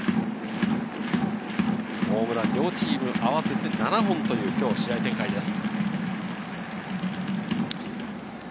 ホームラン、両チーム合わせて７本という今日の試合展開です。